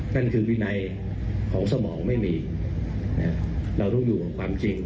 นั่นคือวินัยของสมองไม่มีเราต้องอยู่กับความจริง